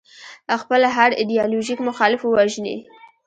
خپل هر ایدیالوژیک مخالف ووژني.